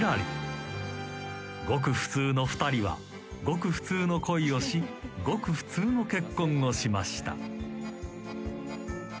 ［ごく普通の２人はごく普通の恋をしごく普通の結婚をしました］